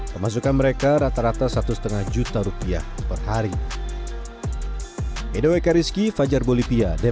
pemasukan mereka rata rata satu lima juta rupiah per hari